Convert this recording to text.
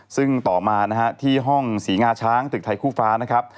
ซึ่งต่อมานะฮะที่ห้องศรีงาช้างตึกไทยคู่ฟ้านะครับ